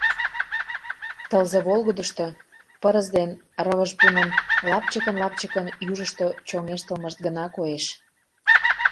Тылзе волгыдышто пырыс ден рывыж пунын лапчыкын-лапчыкын южышто чоҥештылмышт гына коеш.